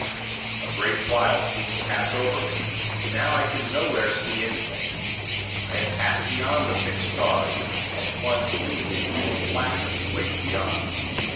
A great while seemed to pass over me, and now I could nowhere see anything. I had passed beyond the fixed stars and plunged into the huge blackness that waits beyond.